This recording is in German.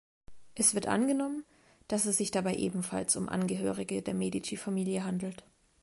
Es wird angenommen, dass es sich dabei ebenfalls um Angehörige der Medici-Familie handelt.